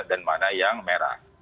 dan mana yang merah